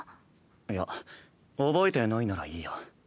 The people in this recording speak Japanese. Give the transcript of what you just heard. いや覚えてないならいいや。